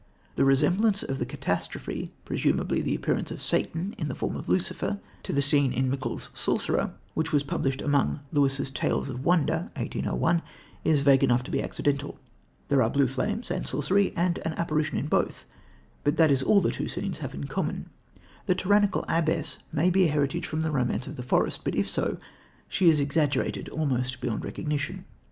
The resemblance of the catastrophe presumably the appearance of Satan in the form of Lucifer to the scene in Mickle's Sorcerer, which was published among Lewis's Tales of Wonder (1801), is vague enough to be accidental. There are blue flames and sorcery, and an apparition in both, but that is all the two scenes have in common. The tyrannical abbess may be a heritage from The Romance of the Forest, but, if so she is exaggerated almost beyond recognition.